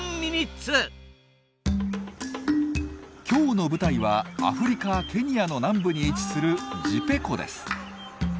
今日の舞台はアフリカケニアの南部に位置するジペ湖です。